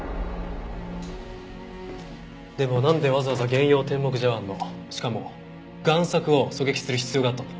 でもなんでわざわざ幻曜天目茶碗のしかも贋作を狙撃する必要があったんだ？